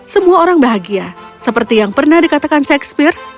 semua orang bahagia seperti yang pernah dikatakan sekspir